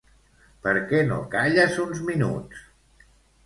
Per què no calles uns minuts?